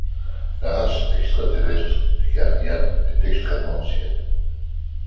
La race extra-terrestre des Gardiens est extrêmement ancienne.